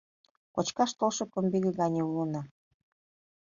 Кочкаш толшо комбиге гане улына